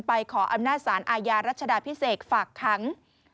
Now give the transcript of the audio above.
ขออำนาจสารอาญารัชดาพิเศษฝากขัง